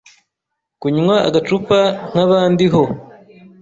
kunywa agacupa nk’abandi ho,